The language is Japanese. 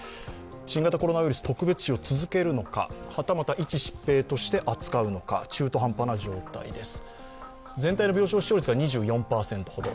新型コロナウイルス、特別視を続けるのか、はたまたいち疾病として扱うのか中途半端な状態です。